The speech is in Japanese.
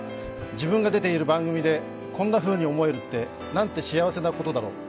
自分が出ている番組でこんなふうに思えるってなんて幸せなことだろう。